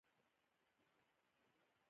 د ادب اړخ يې پرېږده